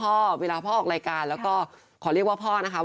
ต้องว่าพ่อออกรายการและเรียกว่าพ่อนะครับ